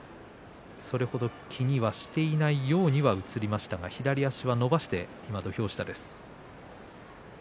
それ程、気にはしていないように映りましたが左足は伸ばして今土俵下です。